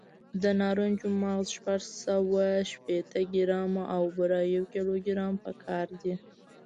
د نارنجو مغز شپږ سوه شپېته ګرامه او بوره یو کیلو پکار دي.